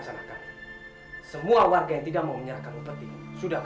kenapa semua orang jadi berbaring saat dia nyuik